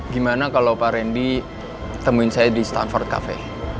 gimana kalau pak rendy temuin saya di stanford cafe